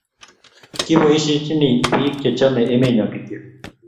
Kiboisiechini bik chechomei emenyo kityo